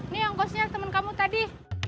nih yang gosnya temen kamu tadi